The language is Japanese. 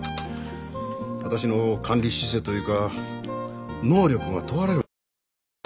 私の管理姿勢というか能力が問われるわけでしょ。